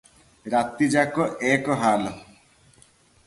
ରାତିଯାକ ଏକ ହାଲ ।